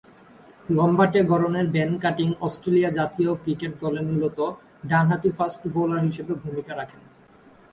লম্বাটে গড়নের Ben Cutting Australia জাতীয় ক্রিকেট দলে মূলতঃ ডানহাতি ফাস্ট বোলার হিসেবে ভূমিকা রাখেন।